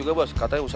oh benar cek airnya